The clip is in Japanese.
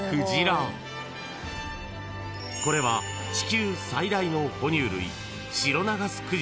［これは地球最大の哺乳類］